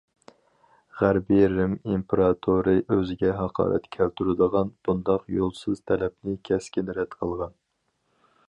غەربىي رىم ئىمپېراتورى ئۆزىگە ھاقارەت كەلتۈرىدىغان بۇنداق يولسىز تەلەپنى كەسكىن رەت قىلغان.